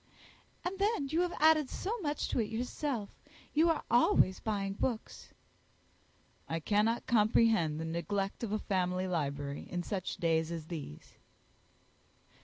"And then you have added so much to it yourself you are always buying books." "I cannot comprehend the neglect of a family library in such days as these."